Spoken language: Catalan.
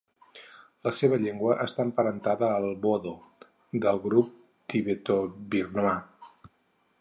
La seva llengua està emparentada al bodo, del grup tibetobirmà.